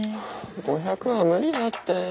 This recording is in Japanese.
５００は無理だって。